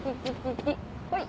ほい。